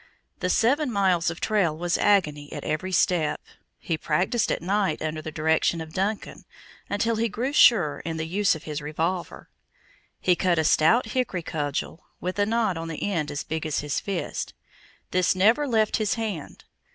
The seven miles of trail was agony at every step. He practiced at night, under the direction of Duncan, until he grew sure in the use of his revolver. He cut a stout hickory cudgel, with a knot on the end as big as his fist; this never left his hand.